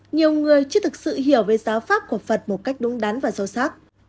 nhiều người chưa thực sự hiểu về giáo pháp của phật một cách đúng đắn và sâu sắc